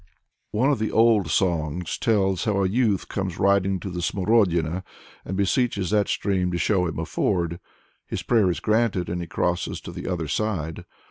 One of the old songs tells how a youth comes riding to the Smorodina, and beseeches that stream to show him a ford. His prayer is granted, and he crosses to the other side.